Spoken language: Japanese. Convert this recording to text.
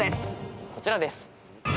こちらです。